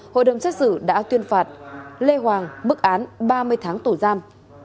hội đồng xét xử đã tuyên phạt lê hoàng bức án ba mươi tháng tổ giam